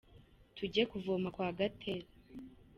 Tujye kuvoma kwa Gatera.